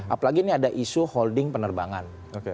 apalagi ini ada isu holding penerbangan